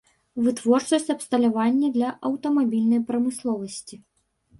Вытворчасць абсталявання для аўтамабільнай прамысловасці.